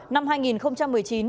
năm hai nghìn một mươi chín hà đến